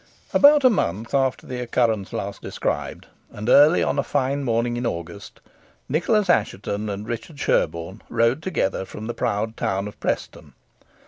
About a month after the occurrence last described, and early on a fine morning in August, Nicholas Assheton and Richard Sherborne rode forth together from the proud town of Preston.